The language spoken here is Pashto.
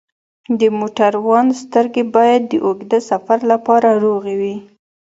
د موټروان سترګې باید د اوږده سفر لپاره روغې وي.